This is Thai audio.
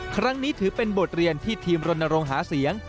ครั้งนี้ถือเป็นบทเรียนที่ทีมรณรงค์หาเสียง